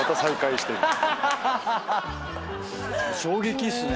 衝撃っすね。